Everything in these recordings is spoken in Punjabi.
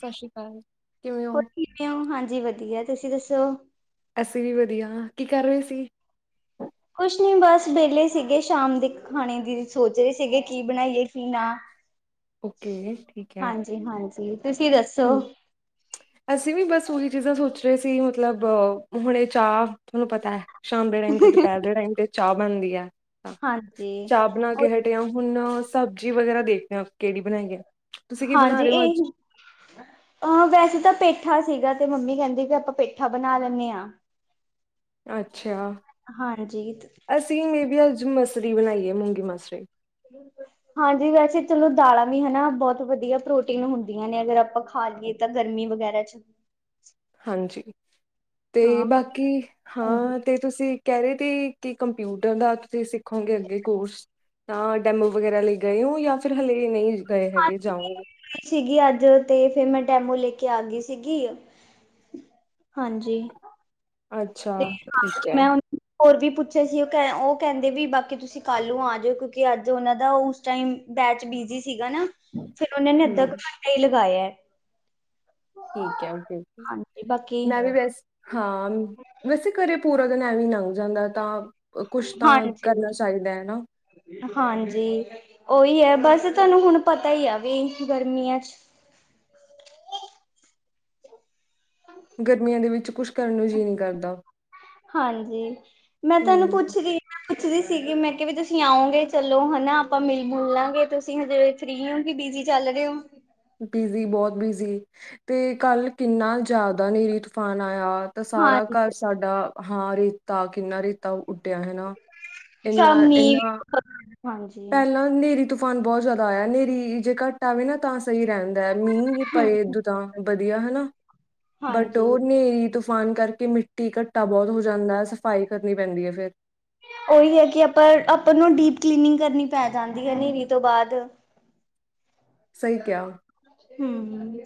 ਸਸਿ ਸ਼੍ਰੀ ਅਕਾਲ, ਕਿਵੇਂ ਔ ਕਿਉ ਹਾਂਜੀ ਵਦੀਆ, ਤੁਸੀਂ ਦੱਸੋ ਅਸੀਂ ਵੀ ਵਦੀਆ, ਕੀ ਕਰ ਰਹੇ ਸੀ ਕੁਛ ਨੀ ਬਸ ਵਿਹਲੇ ਸੀਗੇ ਸ਼ਾਮ ਦੇ ਖਾਣੇ ਦੀ ਸੋਚ ਰਹੇ ਸੀਗੇ ਕੀ ਬਣਾਈਏ ਕੀ ਨਾ ਓਕੇ ਠੀਕ ਹੈ ਹਾਂਜੀ ਤੁਸੀਂ ਦੱਸੋ ਹੰ ਅਸੀਂ ਵੀ ਬਸ ਉਹੀ ਚੀਜ਼ਾਂ ਸੋਚ ਰਹੇ ਸੀ। ਮਤਲਬ ਹੁਣੇ ਚਾਹ ਤੁਹਾਨੂੰ ਪਤਾ ਐ ਸ਼ਾਮ ਦੇ ਟਾਈਮ ਤੇ ਦੁਪਹਿਰ ਦੇ ਟਾਈਮ ਤੇ ਚਾਹ ਬਣਦੀ ਹੈ, ਹਾਂਜੀ, ਚਾਹ ਬਨਾ ਉਹ ਕੇ ਹ ਹੁਨ ਸਬਜ਼ੀ ਵਗੈਰਾ ਦੇਖਦੇ ਹਾਂ, ਕਿਹੜੀ ਬਣਾਈਏ ਤੁਸੀਂ ਕੀ ਬਣਾ ਹਾਂਜੀ ਰਹੇ ਹੋ ਇਹ ਅੱਜ? ਹੀ ਅ ਵੈਸੇ ਤਾਂ ਪੇਠਾ ਸੀਗਾ ਤੇ ਮੰਮੀ ਕਹਿੰਦੀ ਵੀ ਆਪਾਂ ਪੇਠਾ ਬਨਾ ਲੈਂਨੇ ਆ ਅੱਛਾ। ਹਾਂਜੀ ਤ। ਅਸੀਂ ਨੇ ਵੀ ਅੱਜ ਮਸਰੀ ਬਨਾਈ ਏ ਮੂੰਗੀ ਮਸਰੀ ਹਠ- [unintelligible] ਹਾਂਜੀ ਵੈਸੇ ਚਲੋ ਦਾਲਾਂ ਵੀ ਹੈਨਾ ਬਹੁਤ ਵਦੀਆ ਪ੍ਰੋਟੀਨ ਹੁੰਦੀਆਂ ਨੇ ਅਗਰ ਆਪਾਂ ਖਾ ਲਈਏ ਤਾਂ ਗਰਮੀ ਵਗੈਰਾ ਚ। ਹਾਂਜੀ, ਤੇ ਹਾਂ ਬਾਕੀ ਹਾਂਜੀ ਹਾਂ ਤੇ ਤੁਸੀਂ ਕਹਿ ਰਹੇ ਤੇ, ਕਿ ਕੰਪਿਊਟਰ ਦਾ ਤੁਸੀਂ ਸਿੱਖੋਗੇ ਅੱਗੇ ਕੋਰਸ ਤਾਂ ਡੈਮੋ ਵਗੈਰਾ ਲਈ ਗਏ ਔ ਜਾਂ ਫਿਰ ਹਲੇ ਨਹੀਂ ਗਏ ਹੈਗੇ ਹਾਂਜੀ, ਜਾਊਗੇ ਸੀਗੀ ਅੱਜ ਤੇ ਫੇਰ ਮੈਂ ਡੈਮੋ ਲੈਕੇ ਆ ਗਈ ਸੀਗੀ ਹਾਂਜੀ ਅੱਛਾ ਤੇ ਹਾਂ ਠੀਕ ਹੈ ਮੈਂ ਉਹਨੂੰ ਹੋਰ ਵੀ ਪੁੱਛੇ ਸੀ, ਉਹ ਕ ਉਹ ਕਹਿੰਦੇ ਵੀ ਬਾਕੀ ਤੁਸੀਂ ਕੱਲ ਨੂੰ ਆ ਜਾਇਓ, ਕਿਉਂਕਿ ਅੱਜ ਉਹਨਾਂ ਦਾ ਉਸ ਟਾਇਮ ਬੈਚ ਬਿਜੀ ਸੀਗਾ, ਨਾ ਫੇਰ ਉਹਨਾ ਨੇ ਅੱਦਾ ਕੇ ਹਮ ਘੰਟਾਂ ਈ ਲਗਾਇਆ ਐ। ਠੀਕ ਐ ਓਕੇ- ਓਕੇ ਮੈਂ ਵੀ ਵੈਸੇ, ਹਾਂ ਵੈਸੇ ਘਰੇ ਪੂ ਪੂਰਾਂ ਦਿਨ ਐਂਵੇਂ ਈ ਲੰਘ ਜਾਂਦਾ, ਤਾਂ ਕੁੱਛ ਤਾਂ ਕਰਨਾਂ ਹਾਂਜੀ ਚਾਹੀਦਾ ਐ ਨਾ ਹਾਂਜੀ ਉਹੀਂ ਹੈ, ਬਸ ਤੁਹਾਨੂੰ ਹੁਣ ਪਤਾ ਹੀ ਐ ਵੀ ਗਰਮੀਆਂ ਚ ਗਰਮੀਆਂ ਦੇ ਵਿੱਚ ਕੁੱਛ ਕਰਨ ਨੂੰ ਜੀਅ ਨੀਂ ਕਰਦਾ। ਹਾਂਜੀ, ਮੈਂ ਤੁਹਾਨੂੰ ਹਮ ਪੁੱਛ ਰੀ ਪੁੱਛਦੀ ਸੀਗੀ, ਮੈਂ ਕਿਹਾ ਵੀ ਤੁਸੀਂ ਆਓਗੇ ਚਲੋ ਹਨਾ ਆਪਾਂ ਮਿਲ ਮੁਲ ਲਾਂਗੇ, ਤੁਸੀਂ ਹਜੇ ਫਰੀ ਹੋ ਕਿ, ਬਿਜੀ ਚੱਲ ਰਹੇ ਓ। ਬਿਜੀ ਬਹੁਤ ਬਿਜੀ, ਤੇ ਕੱਲ ਕਿੰਨਾ ਜ਼ਿਆਦਾ ਹਨੇਰੀ- ਤੂਫਾਨ ਆਇਆ। ਤਾਂ ਸਾਰਾ ਹਾਂਜੀ ਘਰ ਸਾਡਾ, ਹਾਂ ਰੇਤਾ ਕਿੰਨਾ ਰੇ ਤਾਂ, ਉੱਡਿਆ ਹਨਾ ਸ਼ਾਮੀ ਏਨਾ-ਏਨਾ। ਹਾਂਜੀ। ਪਹਿਲਾਂ ਨੇਰੀ-ਤੂਫਾਨ ਬਹੁਤ ਜ਼ਿਆਦਾ ਆਇਆ, ਨੇਰੀ ਜੇ ਘੱਟ ਆਵੇ ਨਾ ਤਾਂ ਸਈ ਰਹਿੰਦਾ ਐ, ਮੀਂਹ ਪਏ ਦੂ ਤਾ, ਵਧੀਆ ਹਨਾ ਬਟ ਹਾਂਜੀ, ਓ ਨੇਰੀ-ਤੂਫਾਨ ਕਰਕੇ ਮਿੱ ਇਘੱਟਾ ਬਹੁਤ ਹੋ ਜਾਂਦਾ ਐ, ਸਫ਼ਾਈ ਕਰਨੀ ਪੈਂਦੀ ਐ ਫਿਰ। ਉਹੀ ਹੈ ਕਿ ਆਪਾਂ- ਆਪਾਂ ਨੂੰ ਡੀਪ ਕਲੀਨਿੰਗ ਕਰਨੀ ਪੈ ਜਾਂਦੀ ਐ ਨੇਰੀ ਤੋਂ ਬਾਅਦ। ਸਈ, ਕਿਆ। ਹੂੰ- ਹੂੰ।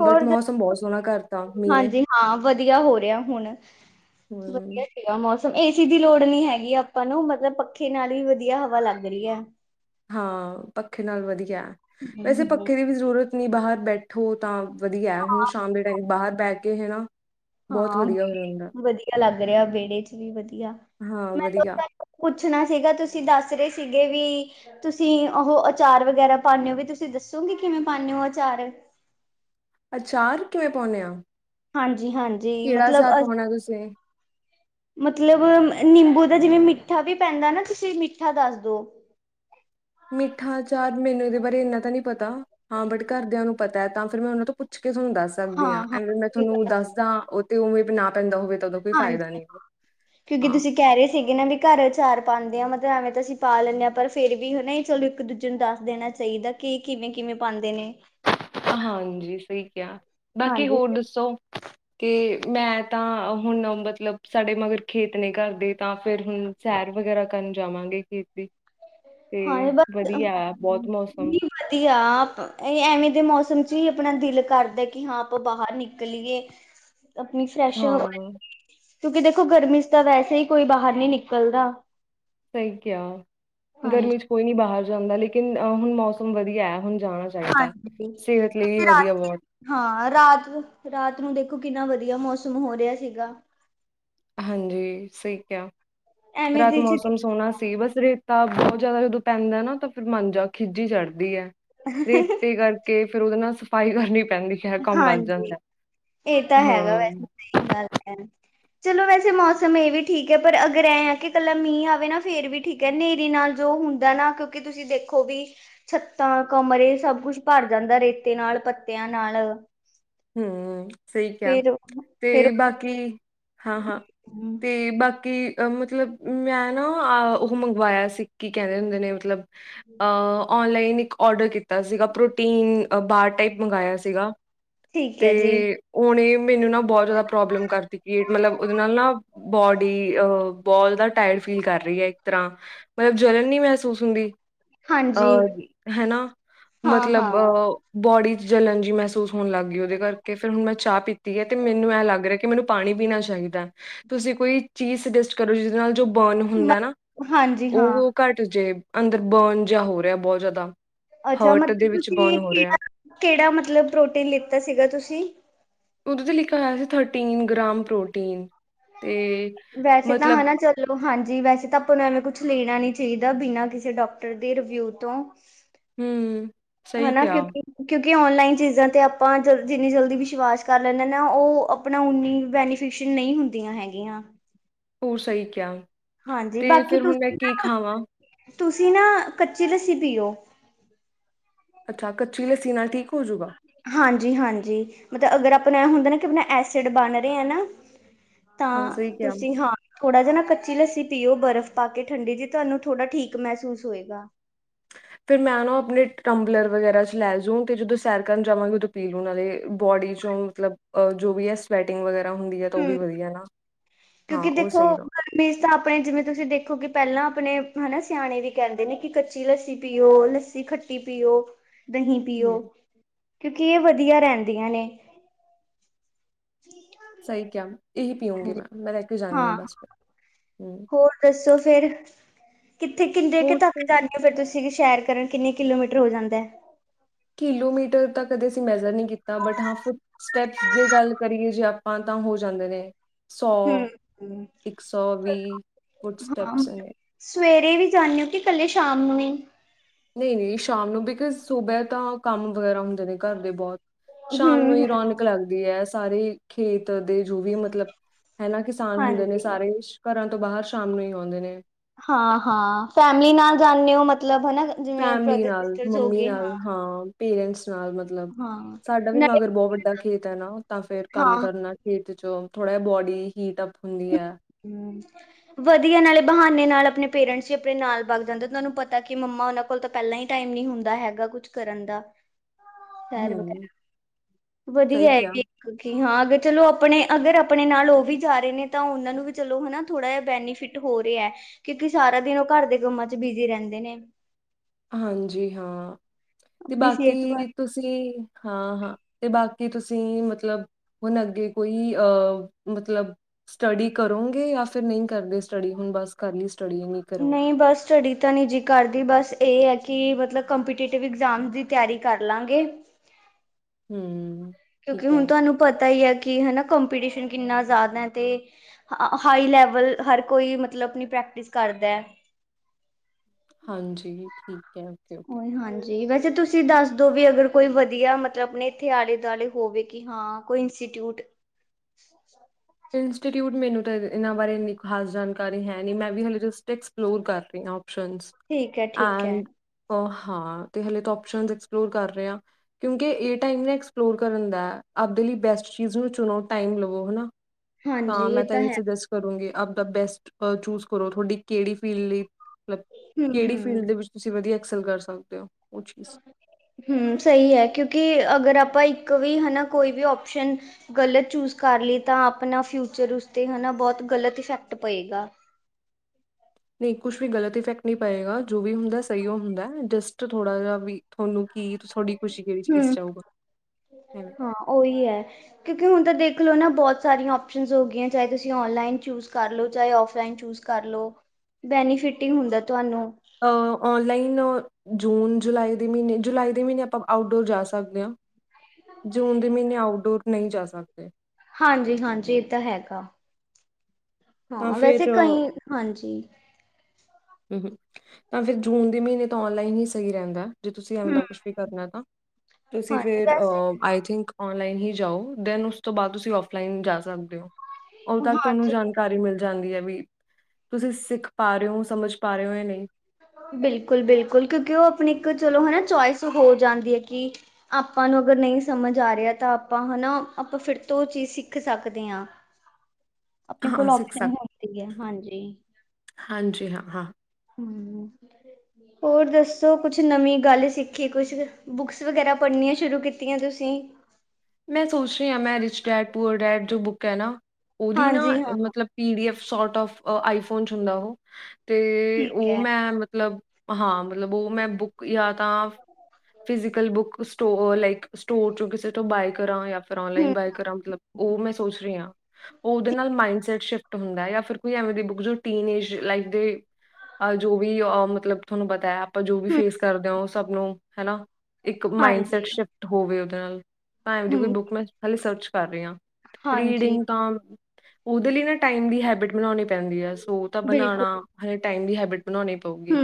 ਹੋਰ ਮੌਸਮ ਬਹੁਤ [unintelligible] ਸੋਹਣਾ ਕਰਤਾ ਮੀਂਹ ਨੇ ਹਾਂਜੀ, ਹਾਂ ਵਧੀਆ ਹੋ ਰਿਆ ਹੁਣ ਹੋਰ। ਵਧੀਆ ਸੀਗਾ ਮੌਸਮ, ਏਸੀ ਦੀ ਲੋੜ ਨੀ ਹੈਗੀ, ਆਪਾਂ ਨੂੰ ਮਤਲਬ ਪੱਖੇ ਨਾਲ ਵੀ ਵਧੀਆ ਹਵਾ ਲੱਗ ਰੀ ਐ। ਹਾਂ ਪੱਖੇ ਨਾਲ ਵਧੀਆ, ਵੈਸੇ ਹੂੰ-ਹੂੰ। ਪੱਖੇ ਦੀ ਵੀ ਜ਼ਰੂਰਤ ਨੀਂ ਬਾਹਰ ਬੈਠੋ ਤਾਂ ਵਧੀਆ ਐ, ਹੁਣ ਹਾਂ ਸ਼ਾਮ ਦੇ ਟਾਇਮ ਬਾਹਰ ਬਹਿ ਕੇ ਹੈਨਾ। ਹਾਂ ਵਧੀਆ ਲੱਗ ਰਿਹਾ, ਵਿਹੜੇ ਚ ਵੀ ਵਧੀਆ। ਹਾਂ ਵਧੀਆ ਪੁੱਛਣਾ ਸੀਗਾ, ਤੁਸੀਂ ਦੱਸ ਰਹੇ ਸੀਗੇ ਵੀ ਤੁਸੀਂ ਉਹ ਅਚਾਰ ਵਗੈਰਾ ਪਾਨੇ ਓ, ਵੀ ਤੁਸੀਂ ਦੱਸੋਗੇ ਕਿਵੇਂ ਪਾਨੇ ਓ ਅਚਾਰ ਅਚਾਰ, ਕਿਵੇਂ ਪਾਉਨੇ ਆ। ਹਾਂਜੀ-ਹਾਂਜੀ, ਕਿਹੜਾ ਮਤਲਬ ਅਚਾਰ ਅ ਪਾਉਣਾ ਤੁਸੀਂ ਮਤਲਬ ਨਿੰਬੂ ਦਾ ਜਿਵੇਂ ਮਿੱਠਾ ਵੀ ਪੈਂਦਾ ਨਾ, ਤੁਸੀਂ ਮਿੱਠਾ ਦੱਸ ਦੋ। ਮਿੱਠਾ ਚਾਰ ਮੈਨੂੰ ਇਹਦੇ ਬਾਰੇ ਇੰਨਾ ਤਾਂ ਨੀ ਪਤਾ, ਹਾਂ ਬਟ ਘਰਦਿਆਂ ਨੂੰ ਪਤਾ ਹੈ, ਤਾਂ ਫਿਰ ਮੈਂ ਉਹਨਾਂ ਤੋਂ ਪੁੱਛ ਕੇ ਤੁਹਾਨੂੰ ਦੱਸ ਸਕਦੀ ਆ, ਹਾਂ ਹਾਂ ਐਂਵੇਂ ਮੈਂ ਤੁਸੀਂ ਤੁਹਾਨੂੰ ਦੱਸ ਦਿਓ। ਦੱਸਦਾ। ਤੇ, ਉਵੇਂ ਬਣਾ ਤਾ ਨੀ ਦੋ ਗੇ ਤਦੋਂ। ਹਾਂਜੀ, ਕਿਉਂਕਿ ਤੁਸੀਂ ਕਹਿ ਰਹੇ ਸੀਗੇ ਨਾ ਵੀ ਘਰ ਅਚਾਰ ਪਾਂਦੇ ਆ, ਮਤਲਬ ਐਵੇਂ ਤਾਂ ਅਸੀਂ ਪਾ ਲੈਂਨੇ ਆ ਪਰ ਫੇਰ ਵੀ ਹਨਾ ਚਲੋ ਇੱਕ ਦੂਜੇ ਨੂੰ ਦੱਸ ਦੇਣਾ ਚਾਹੀਦਾ, ਕਿ ਕਿਵੇਂ -ਕਿਵੇਂ ਪਾਂਦੇ ਨੇ। ਹਾਂਜੀ ਸਈ ਕਿਆ, ਬਾਕੀ ਹੋਰ ਹਾਂਜੀ ਦੱਸੋ। ਕਿ ਮੈਂ ਤਾਂ ਹੁਣ ਮਤਲਬ ਸਾਡੇ ਮਗਰ ਖੇਤ ਨੇ ਘਰ ਦੇ, ਤਾਂ ਫਿਰ ਹੁਣ ਸੈਰ ਵਗੈਰਾ ਕਰਨ ਜਾਵਾਂਗੇ, ਸਵੇਰ ਦੀ ਹਾਂ ਤੇ ਬਸ ਵਧੀਆਂ ਵਾ ਬਹੁਤ ਮੌਸਮ। ਨੀ ਵਧੀਆ ਆਪ, ਐ ਐਵੇਂ ਦੇ ਮੌਸਮ ਚ ਹੀ ਆਪਣਾ ਦਿਲ ਕਰਦਾ, ਕਿ ਹਾਂ ਆਪਾਂ ਬਾਹਰ ਨਿਕਲੀਏ। [inaudible] ਆਪਣੀ ਫਰੈਸ਼ ਹਵਾਂ, ਹਾਂ ਕਿਉਂਕਿ ਦੇਖੋਂ ਗਰਮੀ ਚ ਤਾਂ ਵੈਸੇ ਈ ਕੋਈ ਬਾਹਰ ਨੀ ਨਿਕਲਦਾ। ਸਹੀ ਕਿਹਾ, ਹਾਂਜੀ ਗਰਮੀ ਚ ਕੋਈ ਨੀ ਬਾਹਰ ਜਾਂਦਾ। ਲੇਕਿਨ ਹੁਣ ਮੌਸਮ ਵਧੀਆ ਐ, ਹੁਣ ਜਾਣਾਂ ਹਾਂਜੀ, ਅੱਧੀ ਰਾਤੀਂ। ਹਾਂ ਰਾਤ- ਰਾਤ ਨੂੰ ਦੇਖੋ, ਕਿੰਨਾ ਵਧੀਆ ਮੌਸਮ ਹੋ ਰਿਹਾ ਸੀਗਾ। ਹਾਂਜੀ ਸਹੀ ਕਿਹਾਂ, ਐਵੇਂ ਰਾਤ ਦੀ ਚ ਮੌਸਮ ਸੋਹਣਾ ਸੀ ਬਸ ਰੇ ਤਾਂ ਬਹੁਤ ਜ਼ਿਆਦਾ ਜਦੋਂ ਪੈਂਦਾ ਨਾ, ਤਾਂ ਫਿਰ ਮੰਨ ਜਾ ਖਿਝੀ ਚੜ੍ਹਦੀ ਹੈ, ਰੇਤੇ ਕਰਕੇ। ਕੇ ਫਿਰ ਉਹਦੇ ਨਾਲ ਸਫ਼ਾਈ ਕਰਨੀ ਪੈਂਦੀ ਹੈ, ਕੰਮ ਵੱਧ ਹਾਂਜੀ ਜਾਂਦਾ, ਇਹ ਤਾਂ ਹੈਗਾ ਹਾਂ। ਵੈਸੇ ਸਹੀ ਗੱਲ ਹੈ। ਚਲੋ ਵੈਸੇ ਮੌਸਮ ਇਹ ਵੀ ਠੀਕ ਹੈ, ਪਰ ਅਗਰ ਐ ਆ ਕਿ ਇਕੱਲਾ ਮੀਂਹ ਆਵੇ ਨਾ ਫੇਰ ਵੀ ਠੀਕ, ਕਹਿ ਨੇਰੀ ਦੇ ਨਾਲ ਜੋ ਹੁੰਦਾ ਨਾ, ਕਿਉਂਕਿ ਤੁਸੀਂ ਦੇਖੋ ਵੀ, ਛੱਤਾਂ, ਕਮਰੇ, ਸਭ ਕੁਛ ਭਰ ਜਾਂਦਾ, ਰੇਤੇ ਨਾਲ ਪੱਤਿਆਂ ਨਾਲ। ਹੂੰ, ਸਹੀ ਕਿਹਾ, ਫਿਰ ਫਿਰ ਤੇ ਬਾਕੀ। ਹਾਂ-ਹਾਂ ਹਮ, ਤੇ ਬਾਕੀ, ਮਤਲਬ। ਮੈਂ ਨਾ, ਉਹ ਮੰਗਵਾਇਆ ਸੀ, ਕੀ ਕਹਿੰਦੇ ਹੁੰਦੇ ਨੇ, ਮਤਲਬ ਅਹ ਔਨਲਾਈਨ, ਇੱਕ ਔਡਰ ਕੀਤਾ ਸੀਗਾ, ਪ੍ਰੋਟੀਨ ਅ ਬਾਰ ਟਾਈਪ ਮੰਗਵਾਇਆ ਸੀਗਾ। ਠੀਕ ਤੇ ਹੈ ਜੀ ਹੁਣ ਇਹ ਮੈਨੂੰ ਨਾ ਬਹੁਤ ਜ਼ਿਆਦਾ ਪ੍ਰੋਬਲਮ ਕਰ ਦਿੰਦੀ ਏ ਮਤਲਬ ਉਹਦੇ ਨਾਲ ਨਾ ਬੋਡੀ ਅ ਬਹੁਤ ਦਾ ਟਾਇਰਡ ਫੀਲ ਕਰ ਰਹੀ ਹੈ ਇੱਕ ਤਰ੍ਹਾਂ ਮਤਲਬ ਜਲਣ ਨੀ ਮਹਿਸੂਸ ਹੁੰਦੀ ਹਾਂਜੀ ਅਹ ਹਨਾ ਹਾਂ ਮਤਲਬ ਹਾਂ ਅਹ ਬੋਡੀ ਚ ਜਲਣ ਜਹੀ ਮਹਿਸੂਸ ਹੋਣ ਲੱਗ ਗਈ। ਉਹਦੇ ਕਰਕੇ ਫਿਰ ਹੁਣ ਮੈਂ ਚਾਹ ਪੀਤੀ ਹੈ ਤੇ ਮੈਨੂੰ ਇਹ ਲੱਗ ਰਿਹਾ ਕਿ ਮੈਨੂੰ ਪਾਣੀ ਪੀਣਾ ਚਾਹੀਦਾ। ਤੁਸੀਂ ਕੋਈ ਚੀਜ਼ ਸੁਜੈਸਟ ਕਰੋ ਜਿਹਦੇ ਨਾਲ ਜੋ ਬਰਨ ਮ- ਹੁੰਦਾ ਨਾ, ਹਾਂਜੀ ਹਾਂ ਉਹ ਘੱਟ ਜੇ ਅੰਦਰ ਬਰਨ ਜਾਂ ਹੋ ਰਿਹਾ ਬਹੁਤ ਜ਼ਿਆਦਾ। ਅੱਛਾ ਹਰਟ ਦੇ ਮਤਲਬ ਵਿੱਚ ਬਰਨ ਤੁਸੀਂ ਹੋ ਰਿਹਾ। ਕਿਹੜਾ-ਕਿਹੜਾ ਮਤਲਬ ਪ੍ਰੋਟੀਨ ਲਿੱਤਾ ਸੀਗਾ ਤੁਸੀਂ? ਉਦੋਂ ਤੇ ਲਿਖਿਆ ਹੋਇਆ ਸੀ ਥਰਟੀਨ ਗ੍ਰਾਮ ਪ੍ਰੋਟੀਨ ਤੇ, ਮਤਲਬ ਲੋ ਹਾਂਜੀ ਵੈਸੇ ਤਾਂ ਆਪਾਂ ਨੂੰ ਐਵੇਂ ਕੁਛ ਲੈਣਾ ਨੀ ਚਾਹੀਦਾ ਬਿਨਾਂ ਕਿਸੇ ਡਾਕਟਰ ਦੇ ਰਿਵਿਊ ਤੋਂ ਹੂੰ। ਸਹੀ ਹਨਾ ਕਿਹਾ ਕਿਉਂਕਿ, ਕਿਉਂਕਿ ਔਨਲਾਈਨ ਚੀਜ਼ਾਂ ਤੇ ਆਪਾਂ ਜਿੰਨੀ ਜਲਦੀ ਵਿਸ਼ਵਾਸ ਕਰ ਲੈਂਦੇ ਨਾ ਉਹ ਆਪਣਾ ਓਨੀ ਬੈਨੀਫਿਸ਼ਅਲ ਨਹੀਂ ਹੁੰਦੀਆਂ ਹੈਗੀਆਂ। ਹੋਰ ਸਹੀ ਕਿਹਾ ਹਾਂਜੀ ਤੇ ਬਾਕੀ ਫਿਰ ਹੁਣ ਮੈਂ ਤੁਸੀਂ ਕੀ ਨਾ ਖਾਵਾਂ? ਤੁਸੀਂ ਨਾ ਕੱਚੀ ਲੱਸੀ ਪੀਓ। ਅੱਛਾ ਕੱਚੀ ਲੱਸੀ ਨਾਲ ਠੀਕ ਹੋਜੂਗਾ। ਹਾਂਜੀ-ਹਾਂਜੀ, ਮਤਲਬ ਅਗਰ ਆਪਣਾ ਇਹ ਹੁੰਦਾ ਨਾ ਕਿ ਆਪਣਾ ਐਸਿਡ ਬਣ ਰਿਹਾ ਹੈ ਨਾ ਹਾਂ ਤਾਂ, ਸਹੀ ਕਿਹਾ। ਤੁਸੀਂ ਹਾਂ ਥੋੜ੍ਹਾ ਜਾ ਨਾ ਕੱਚੀ ਲੱਸੀ ਪੀਓ ਬਰਫ਼ ਪਾ ਕੇ ਠੰਡੀ ਜੀ ਤੁਹਾਨੂੰ ਥੋੜਾ ਠੀਕ ਮਹਿਸੂਸ ਹੋਏਗਾ। ਫਿਰ ਮੈਂ ਨਾ ਆਪਣੇ ਟੰਬਲਰ ਵਗੈਰਾ ਚ ਲੈਜਊ ਤੇ ਜਦੋਂ ਸੈਰ ਕਰਨ ਜਾਵਾਂਗੇ ਉਦੋਂ ਪੀਲੋ ਨਾਲੇ ਬੋਡੀ ਚੋਂ ਮਤਲਬ ਅ ਜੋ ਵੀ ਹੈ ਡਾਈਟਿੰਗ ਵਗੈਰਾ ਹੁੰਦੀ ਹੈ ਤਾਂ ਉਹ ਵੀ ਹੂੰ ਵਧੀਆ ਨਾ, ਹਾਂ ਉਹ ਸਹੀ ਰਹੇ। ਮੇਨ ਤਾਂ ਆਪਣੇ ਜਿਵੇਂ ਤੁਸੀਂ ਦੇਖੋ ਕਿ ਪਹਿਲਾਂ ਆਪਣੇ ਹਨਾ ਸਿਆਣੇ ਵੀ ਕਹਿੰਦੇ ਨੇ ਕਿ ਕੱਚੀ ਲੱਸੀ ਪੀਓ ਲੱਸੀ ਤੁਸੀਂ ਖੱਟੀ ਪੀਓ, ਦਹੀਂ ਪੀਓ, ਹੂੰ ਕਿਉਂਕਿ ਇਹ ਵਧੀਆ ਰਹਿੰਦੀਆਂ ਨੇ। ਸਹੀ ਕਿਆ ਇਹੀ ਪੀਉਂਗੀ ਹਾਂਜੀ ਮੈ, ਮੈਂ ਲੈ ਕੇ ਜਾਂਦੀ ਹਾਂ ਬਸ ਫਿਰ, ਹੂੰ। ਹੋਰ ਦੱਸੋ ਫੇਰ, ਕਿੱਥੇ ਕਿੰਨੇ ਕੇ ਹੋਰ ਤੱਕ ਤੇ ਜਾਂਦੇ ਫੇਰ ਤੁਸੀਂ ਸ਼ੈਰ ਕਰਨ ਕਿੰਨੇ ਕਿਲੋਮੀਟਰ ਹੋ ਜਾਂਦਾ ਹੈ? ਕਿਲੋਮੀਟਰ ਤਾਂ ਕਦੇ ਅਸੀਂ ਮੈਜਰ ਨਹੀਂ ਕੀਤਾ ਬਟ ਹਾਂ ਫੁਟ ਸਟੈਪਸ ਦੀ ਗੱਲ ਕਰੀਏ ਜੇ ਆਪਾਂ ਤਾਂ ਹੋ ਜਾਂਦੇ ਨੇ। ਸੌ, ਹਮ ਹਮ ਇੱਕ ਸੌ ਵੀਹ ਫੁਟ ਹਾਂ ਸਟੈਪਸ ਨੇ। ਸਵੇਰੇ ਵੀ ਜਾਂਨੇ ਹੋ ਕਿ ਇਕੱਲੇ ਸ਼ਾਮ ਨੂੰ ਈ? ਨਹੀ-ਨਹੀ, ਸ਼ਾਮ ਨੂੰ ਬਿਕੋਜ ਸੂਬੇ ਤਾਂ ਕੰਮ ਵਗੈਰਾ ਹੁੰਦੇ ਨੇ। ਘਰ ਦੇ ਬਹੁਤ, ਸ਼ਾਮ ਨੂੰ ਹਮ ਹੀ ਹਮ ਰੌਣਕ ਲੱਗਦੀ ਦੀ ਹੈ ਸਾਰੇ ਖੇਤ ਦੇ ਜੋ ਵੀ ਮਤਲਬ ਹਨਾ ਕਿਸਾਨ ਹੁੰਦੇ ਨੇ ਹਾਂਜੀ ਸਾਰੇ ਘਰਾਂ ਤੋਂ ਬਾਹਰ ਸ਼ਾਮ ਨੂੰ ਹੀ ਆਉਂਦੇ ਨੇ। ਹਾਂ - ਹਾਂ ਫੈਮਿਲੀ ਨਾਲ ਜਾਂਦੇ ਹੋ, ਮਤਲਬ ਹਨ? ਫੈਸਿਲੀ ਨਾਲ, ਮੰਮੀ ਨਾਲ ਹਾਂ। ਪੇਰੈਂਟਸ ਨਾਲ ਮਤਲਬ, ਹਾਂ ਸਾਡਾ ਵੀ ਨਾਲੇ ਮਗਰ ਬਹੁਤ ਵੱਡਾ ਖੇਤ ਹੈ ਨਾ, ਤਾਂ ਫਿਰ ਕੰਮ ਹਾਂ ਕਰਨਾ ਖੇਤ 'ਚੋ ਜਾਓ, ਥੋੜਾ ਜਹਾ ਬੋਡੀ ਹੀਟ ਅੱਪ - ਹੁੰਦੀ ਹੈ। ਹਮ। ਵਧੀਆ, ਨਾਲੇ ਬਹਾਨੇ ਨਾਲ ਆਪਣੇ ਪੇਰੈਂਟਸ ਹੀ ਆਪਣੇ ਨਾਲ ਬਣਾ ਜਾਂਦੇ, ਤੁਹਾਨੂੰ ਪਤਾ ਕਿ ਮੰਮਾ ਉਹਨਾਂ ਕੋਲ ਤਾਂ ਪਹਿਲਾਂ ਹੀ ਟਾਈਮ ਨਹੀਂ ਹੁੰਦਾ ਹੈਗਾ, ਕੁਛ ਕਰਨ ਦਾ। ਸੈਰ ਹੂੰ ਵਗੈਰਾ ਵਧੀਆ ਸਹੀ ਕਿਹਾ ਹੈਗੀ ਕਿਉਂਕਿ ਹਾਂ, ਅਗਰ ਚਲੋ ਆਪਣੇ ਅਗਰ ਆਪਣੇ ਨਾਲ ਉਹ ਵੀ ਜਾ ਰਹੇ ਨੇ ਤਾਂ ਉਹਨਾਂ ਨੂੰ ਵੀ ਚਲੋ, ਹਨਾ ਥੋੜ੍ਹਾ - ਜਿਹਾ ਬੈਨੀਫਿਟ ਹੋ ਰਿਹਾ ਹੈ। ਕਿਉਂਕਿ ਸਾਰਾ ਦਿਨ ਉਹ ਘਰ ਦੇ ਕੰਮਾਂ 'ਚ ਬਿਜ਼ੀ ਰਹਿੰਦੇ ਨੇ। ਹਾਂਜੀ ਹਾਂ, ਤੇ ਆਪਣੀ ਸਿਹਤ ਬਾਰੇ ਬਾਕੀ ਤੁਸੀਂ ਹਾਂ, ਹਾਂ, ਤੇ ਬਾਕੀ ਤੁਸੀਂ ਮਤਲਬ ਹੁਣ ਅੱਗੇ ਕੋਈ ਅਹ ਮਤਲਬ ਸਟੱਡੀ ਕਰੋਂਗੇ, ਪਾ ਫਿਰ ਨਹੀਂ ਕਰਦੇ ਸਟੱਡੀ? ਹੁਣ ਬਸ ਕਰ ਲਈ ਸਟੱਡੀ, ਇੰਨੀ? ਨਹੀਂ ਬੱਸ। ਸਟੱਡੀ ਤਾਂ ਨਹੀਂ ਜੀ ਕਰਦੀ, ਬੱਸ ਇਹ ਹੈ ਕਿ ਮਤਲਬ ਕੰਪੀਟੀਟਿਵ ਇਗਜ਼ਾਮ ਦੀ ਤਿਆਰੀ ਕਰ ਲਵਾਂਗੇ। ਹਮ। ਕਿਉਂਕਿ ਹੁਣ ਤੁਹਾਨੂੰ ਪਤਾ ਹੀ ਹੈ। ਕਿ ਹਨਾ ਕੰਪੀਟੀਸ਼ਨ ਕਿੰਨਾ ਜ਼ਿਆਦਾ ਹੈ। ਤੇ ਹਾਂ, ਹਾਈ ਲੈਵਲ ਹਰ ਕੋਈ, ਮਤਲਬ ਆਪਣੀ ਪ੍ਰੈਕਟਿਸ ਕਰਦਾ ਏ। ਹਾਂਜੀ, ਠੀਕ ਹੈ। ਉ ਓਕੇ-ਓਕੇ। ਹਾਂਜੀ, ਵੈਸੇ ਤੁਸੀਂ ਦੱਸ ਦਉ ਵੀ ਅਗਰ ਕੋਈ ਵਧੀਆ ਮਤਲਬ ਆਪਣੇ ਇੱਥੇ ਆਲੇ - ਦੁਆਲੇ ਹੋਵੇ ਕਿ ਹਾਂ, ਕੋਈ ਇੰਸਟੀਚਿਊਟ। ਇੰਸਟਿਊਟ ਮੈਨੂੰ ਤਾਂ ਇਹਨਾਂ ਬਾਰੇ ਇੰਨੀ ਖਾਸ ਜਾਣਕਾਰੀ ਹੈ ਨਹੀਂ, ਮੈਂ ਵੀ ਹਲੇ ਸਟਿਕਸ ਫਲੋਰ ਕਰ ਰਹੀ ਹੈ, ਆਪਸ਼ਨਸ ਠੀਕ ਹੈ ਠੀਕ ਹੈ ਉ, ਹਾਂ, ਤੇ ਹਲੇ ਆਪਸ਼ਨਸ ਐਕਸਪਲੋਰ ਕਰ ਰਹੇ ਆ। ਕਿਉਂਕਿ ਇਹ ਟਾਈਮ ਨਾ, ਐਕਸਪਲੋਰ ਕਰਨ ਦਾ ਆਪਦੇ ਲਈ ਬੈਸਟ ਚੀਜ਼ ਨੂੰ ਚੁਣੋ ਟਾਈਮ ਲਵੋ ਹਨਾ। ਤਾਂ, ਹਾਂਜੀ ਮੈਂ ਇਹ ਤਾਂ, ਇਹੀ ਹੈ ਸੁਜੈਸਟ ਕਰੂੰਗੀ ਅ ਦਾ ਬੈਸਟ ਚੂਜ ਕਰੋ, ਤੁਹਾਡੀ ਕਿਹੜੀ ਫੀਲਡ ਲਈ। ਮਤਲਬ ਹਮ ਕਿਹੜੀ ਫੀਲਡ ਹਮ ਦੇ ਵਿੱਚ ਤੁਸੀਂ ਵਧੀਆ ਐਕਸਲ ਕਰ ਸਕਦੇ ਹੋ। ਉਹ ਚੀਜ਼ ਹਮ, ਸਹੀ ਹੈ। ਕਿਉਂਕਿ ਅਗਰ ਆਪਾਂ ਇੱਕ ਵੀ, ਹਨਾ ਕੋਈ ਵੀ ਓਪਸ਼ਨ ਗਲਤ ਚੂਜ ਕਰ ਲਈ ਤਾਂ ਆਪਣਾ ਫਿਊਚਰ ਉਸਤੇ ਹਨਾ, ਬਹੁਤ ਗਲਤ ਇਫੈਕਟ ਪਏਗਾ। ਨਹੀਂ, ਕੁਛ ਵੀ ਗ਼ਲਤ ਇਫੈਕਟ ਨਹੀਂ ਪਏਗਾ ਜੋ ਵੀ ਹੁੰਦਾ। ਸਹੀ ਉਹ ਹੁੰਦਾ ਜਸਟ ਥੋੜਾ ਜਿਹਾ ਵੀ ਤੁਹਾਨੂੰ ਕੀ ਤੁਹਾਡੀ ਖੁਸ਼ੀ ਕਿਹੜੀ ਚੀਜ਼ 'ਚ ਆਊਗਾਵੇਂ ਉਹ ਹੀ ਏ। ਕਿਉਂਕਿ ਹੁਣ ਤਾਂ ਦੇਖਲੋ ਨਾ, ਬਹੁਤ ਸਾਰੀਆਂ ਆਪਓਪਸ਼ਨ ਹੋ ਗਈਆਂ ਚਾਹੇ, ਤੁਸੀਂ ਔਨਲਾਈਨ ਚੂਜ ਕਰ ਲੋ। ਚਾਹੇ ਫਲਾਈਨ ਚੂਜ਼ ਕੁਛ ਕਰਲੋ ਬੈਨੀਫਿਟ ਹੀ ਹੁੰਦਾ ਤੁਹਾਨੂੰ। ਅ ਔਨਲਾਈਨ ਔਹ ਜੂਨ-ਜੁਲਾਈ ਦੇ ਮਹੀਨੇ ਜੁਲਾਈ ਦੇ, ਮਹੀਨੇ ਆਪਾਂ ਆਊਟਡੋਰ ਜਾ ਸਕਦੇ ਹਾਂ। ਜੂਨ ਦੇ ਮਹੀਨੇ, ਆਊਟਡੋਰ ਨਹੀਂ ਜਾ ਸਕਦੇ। ਹਾਂਜੀ-ਹਾਂਜੀ ਇਹ ਤਾਂ ਹੈਗਾ ਤਾਂ ਹਾਂ, ਵੈਸੇ ਫਿਰ ਅ, ਕਈ ਹਾਂਜੀ। ਹਮ, ਹ ਤਾਂ ਫਿਰ ਜੂਨ ਦੇ ਮਹੀਨੇ ਤਾਂ ਔਨਲਾਈਨ ਹੀ ਸਹੀ ਰਹਿੰਦਾ ਜੇ ਤੁਸੀਂ ਐਵੇਂ ਹੂੰ ਦਾ ਕੁਛ ਵੀ ਕਰਨਾ ਤਾਂ। ਤੁਸੀਂ ਹਾਂਜੀ ਫਿਰ ਵੈਸੇ ਅ, ਆਈ ਥਿੰਕ। ਔਨਲਾਈਨ ਹੀ ਜਾਓ, ਦੈਨ ਉਸ ਤੋਂ ਬਾਅਦ ਤੁਸੀਂ ਔਫਲਾਈਨ ਜਾ ਸਕਦੇ ਹੋ। ਉਦੋਂ ਤੱਕ ਤੁਹਾਨੂੰ ਹਾਂਜੀ ਜਾਣਕਾਰੀ ਮਿਲ ਜਾਂਦੀ ਹੈ। ਵੀ ਤੁਸੀਂ ਸਿੱਖ ਪਾ ਰਹੇ ਹੋ ਸਮਝ ਪਾਰੇ ਹੋਏ ਨੇ। ਬਿਲਕੁੱਲ-ਬਿਲਕੁੱਲ ਕਿਉਂਕਿ ਓ ਆਪਣੀ ਇੱਕ ਚਲੋ ਹਨਾ ਚੋਇਸ ਹੋ ਜਾਂਦੀ ਐ ਕਿ ਆਪਾਂ ਨੂੰ ਅਗਰ ਨਈ ਸਮਝ ਆ ਰੇਆ ਤਾਂ ਆਪਾਂ ਹਨਾ ਆਪਾਂ ਫਿਰ ਤੋਂ ਓ ਚੀਜ਼ ਸਿੱਖ ਸਕਦੇ ਆ। [inaudible] ਆਪਣੇ ਹਾਂ ਕੋਲ ਸਿੱਖ ਓਪਸ਼ਨ ਸਕ ਹੁੰਦੀ ਐ ਹਾਂਜੀ। ਹਾਂਜੀ ਹਾਂ-ਹਾਂ। ਹੂੰ, ਹੋਰ ਦੱਸੋ ਕੁਛ ਨਮੀ ਗੱਲ ਸਿੱਖੀ ਕੁਛ ਬੁੱਕਸ ਵਗੈਰਾ ਪੜਨੀਆਂ ਸ਼ੁਰੂ ਕੀਤੀਆਂ ਤੁਸੀਂ। ਮੈਂ ਸੋਚ ਰੀ ਆ ਮੈਂ ਰਿਚ ਡੈਡ ਪੂਅਰ ਡੈਡ ਜੋ ਬੁੱਕ ਐ ਨਾ, ਉਦੀ ਨਾ ਹਾਂਜੀ ਹਾਂ ਮਤਲਬ P D F sort of iPhones 'ਚ ਹੁੰਦਾ ਉਹ 'ਤੇ ਠੀਕ ਓ ਹੈ ਮੈਂ ਮਤਲਬ ਹਾਂ ਮਤਲਬ ਓ ਮੈਂ ਬੁੱਕ ਜਾਂ ਤਾਂ, ਫੀਜੀਕਲ ਬੁੱਕ ਸਟੋ ਓ ਲਾਈਕ ਸਟੋਰ 'ਚ ਕਿ ਸੀ ਟੋ ਬਾਏ ਕਰਾਂ ਜਾਂ ਫੇਰ ਔਨਲਾਇਨ ਹੂੰ-ਹੂੰ ਬਾਏ ਕਰਾਂ ਮਤਲਬ ਓ ਮੈਂ ਸੋਚ ਰੀ ਆ ਉਦੇ ਨਾਲ ਮਾਇਡ ਸਟ ਹੁੰਦਾ ਆ ਜਾਂ ਫਿਰ ਕੋਈ ਐਵੇਂ ਦੀ ਬੁੱਕ ਜੋ ਟੀਨ ਏਜ ਲਾਈਫ ਦੇ ਅ ਜੋ ਵੀ ਅ ਮਤਲਬ ਤੁਹਾਨੂੰ ਪਤਾ ਐ ਆ ਪਾਂ ਜੋ ਵੀ ਫੇਸ ਕਰਦੇ ਆ ਓ ਸਭ ਨੂੰ ਹੈਨਾ ਇੱਕ ਮਾਇੰਡਸੈਟ ਹਾਂਜੀ ਸ਼ਿਫਟ ਹੋਵੇ ਉਦੇ ਨਾਲ। ਭੈਣ ਦੀ ਕੋਈ ਹੂੰ ਬੁੱਕ ਮੈਂ ਹਾਲੇ ਸਰਚ ਕਰ ਰੀ ਆ, ਹਾਂਜੀ ਰੀਡਿੰਗ ਤਾਂ ਉਦੇ ਲਈ ਨਾ ਟਾਈਮ ਦੀ ਹੈਬਿਟ ਬਣਾਉਣੀ ਪੈਂਦੀ ਐ ਸੋ ਓ ਤਾਂ ਬਣਾਉਣਾ ਬਿਲਕੁਲ ਹਜੇ ਟਾਈਮ ਦੀ ਹੈਬਿਟ ਬਣਾਉਣੀ ਪਊਗੀ।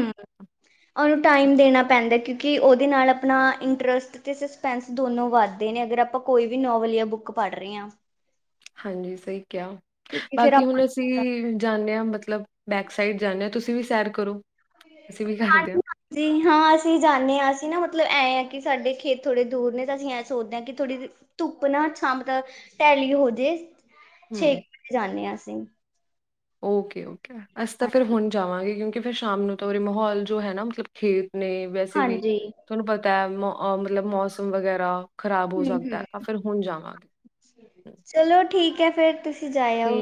ਉਨੂੰ ਟਾਈਮ ਦੇਨਾ ਪੈਂਦਾ ਕਿਉਂਕਿ ਉਦੇ ਨਾਲ ਆਪਨਾ ਇੰਨਟਰਸ ਟ 'ਤੇ ਸਸਪੈਂਸ ਦੋਨੋ ਵੱਧਦੇ ਨੇ ਅਗਰ ਆਪਾਂ ਕੋਈ ਵੀ ਨੋਵਲ ਜਾਂ ਬੁੱਕ ਪੜ ਰੇ ਆ। ਹਾਂਜੀ ਸਈ ਕੇਆ ਕਿਉਂਕਿ ਫਿਰ ਬਾਕੀ ਆਪਾਂ ਹੁਣ ਅ ਸੀਂ ਜਾਂਨੇ ਆ ਮਤਲਬ ਬੈਕ ਸਾਈਡ ਜਾਂਨੇ ਆ ਤੁਸੀਂ ਵੀ ਸੈਰ ਕਰੋ, ਅਸੀਂ ਵੀ ਕਰਦੇ ਆ। ਜੀ ਹਾਂ ਅਸੀਂ ਜਾਂਨੇ ਆ ਅਸੀਂ ਨਾ ਮਤਲਬ ਐਂ ਆ ਕਿ ਸਾਡੇ ਖੇਤ ਥੋੜੇ ਦੂਰ ਨੇ ਤਾਂ ਅਸੀਂ ਐਂ ਸੋਚਦੇ ਆ ਕਿ ਥੋੜੀ ਧੁੱਪ ਨਾ ਛਾਂ ਮਤਲ ਟੈਲੀ ਹੋਜੇ, ਛੇ ਜਾਂਨੇ ਆ ਅਸੀਂ। ਓਕੇ-ਓਕੇ ਅਸੀਂ ਤਾਂ ਹਾਂ- ਫੇਰ ਹੁਣ ਜਾਵਾਂਗੇ ਕਿਉਂ ਕਿ ਫੇਰ ਸ਼ਾਮ ਨੂੰ ਤਾਂ ਉਰੇ ਮਾਹੌਲ ਜੋ ਹੈ ਨਾ ਮਤਲਬ ਖੇਤ ਨੇ ਵੈਸੇ ਵੀ ਹਾਂਜੀ ਤੁਹਾਨੂੰ ਪਤਾ ਐ ਮੌ ਅ ਮਤਲਬ ਮੌਸਮ ਵਗੈਰਾ ਖ਼ਰਾਬ ਹੋ ਹੂੰ ਜਾਂਦੈ ਹੂੰ ਤਾਂ ਫੇਰ ਹੁਣ ਜਾਵਾਂਗੇ। ਹਮ, ਚਲੋ ਠੀਕ ਐ ਫੇਰ ਤੁਸੀਂ ਜਾਏ ਆਓ,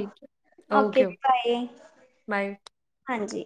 ਓਕੇ ਜੀ ਬਾਏ, ਬਾਏ ਹਾਂਜੀ।